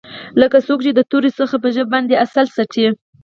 لکه څوک چې د تورې څخه په ژبه باندې عسل څټي.